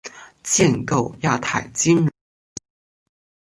建构亚太金融中心